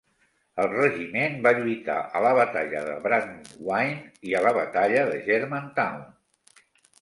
El regiment va lluitar a la Batalla de Brandywine i a la Batalla de Germantown.